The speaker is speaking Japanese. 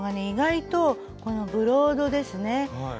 意外とこのブロードですね。